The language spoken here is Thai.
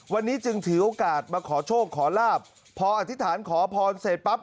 วันนี้จึงถือโอกาสมาขอโชคขอลาบพออธิษฐานขอพรเสร็จปั๊บ